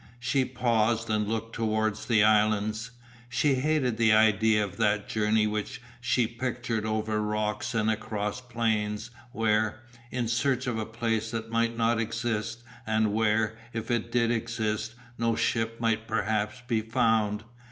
She paused and looked towards the islands. She hated the idea of that journey which she pictured over rocks and across plains, where? In search of a place that might not exist, and where, if it did exist, no ship might perhaps be found.